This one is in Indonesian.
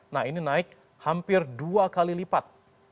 nah ini naik hampir dua kali lipat